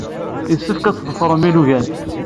Yessefk ad tḍefrem ilugan.